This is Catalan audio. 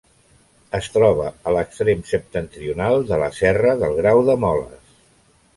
Es troba a l'extrem septentrional de la serra del Grau de Moles.